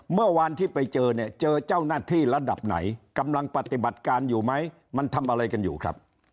เมื่อวานที่ไปเจอเนี่ยเจอเจ้าหน้าที่ระดับไหนกำลังปฏิบัติการอยู่ไหมมันทำอะไรกันอยู่ครับ